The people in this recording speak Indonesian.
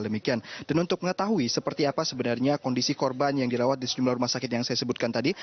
demikian dan untuk mengetahui seperti apa sebenarnya kondisi korban yang dirawat di sejumlah rumah sakit yang saya sebutkan tadi